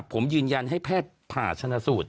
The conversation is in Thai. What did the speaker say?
ผมยืนยันให้แพทย์ผ่าชนะสูตร